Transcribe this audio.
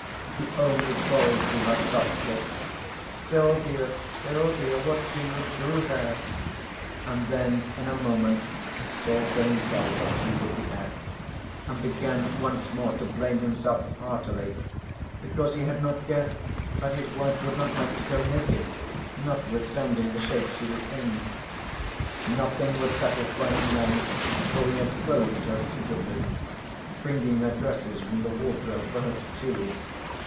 He only called to her softly: "Silvia Silvia. What do you do there?" And then in a moment saw for himself what she would be at, and began once more to blame himself heartily because he had not guessed that his wife would not like to go naked, notwithstanding the shape she was in. Nothing would satisfy him then till he had clothed her suitably, bringing her dresses from the wardrobe for her to choose.